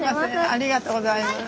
ありがとうございます。